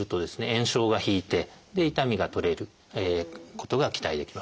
炎症が引いて痛みが取れることが期待できます。